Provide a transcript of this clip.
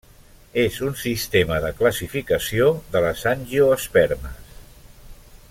És un sistema de classificació de les angiospermes.